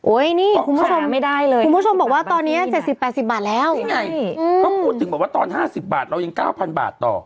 อุ๊ยนี่คุณผู้ชมคุณผู้ชมบอกว่าตอนนี้๗๐๘๐บาทแล้วคุณผู้ชมบอกว่าตอน๕๐บาทเรายัง๙๐๐๐บาทต่อ